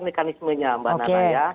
mekanismenya mbak nana ya